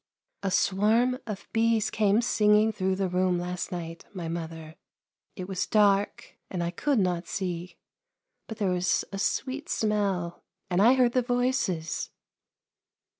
" A swarm of bees came singing through the room last night, my mother. It was dark and I could not see, but there was a sweet smell, and I heard the voices."